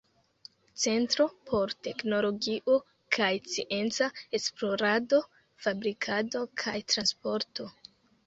Centro por teknologio kaj scienca esplorado, fabrikado kaj transporto.